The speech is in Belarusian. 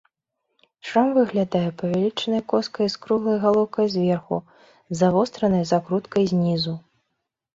Шрам выглядае павялічанай коскай з круглай галоўкаю зверху, з завостранай закруткай знізу.